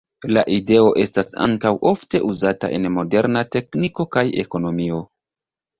La ideo estas ankaŭ ofte uzata en moderna tekniko kaj ekonomio.